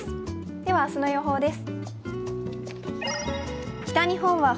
では明日の予報です。